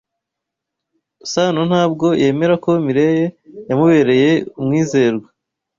Sanontabwo yemera ko Mirelle yamubereye umwizerwa.